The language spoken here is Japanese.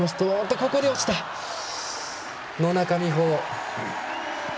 ここで落ちた、野中生萌。